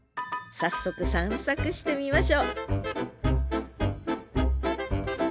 早速散策してみましょう